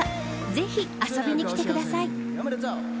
ぜひ遊びに来てください。